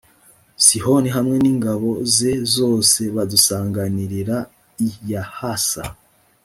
sihoni hamwe n’ingabo ze zose badusanganirira i yahasa